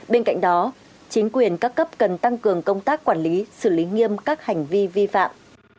bên cạnh đó chính quyền các cấp cần tăng cường công tác quản lý xử lý nghiêm các hành vi vi phạm